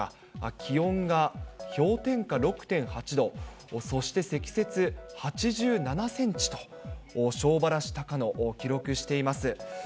気温が氷点下６．８度、そして積雪８７センチと、庄原市高野、記録しています。